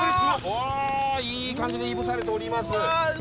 あいい感じでいぶされております。